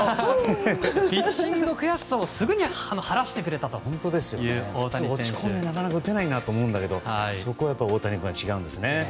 ピッチングの悔しさをすぐに晴らしてくれたという普通、落ち込んでなかなか打てないと思うんだけどそこは大谷君は違うんですね。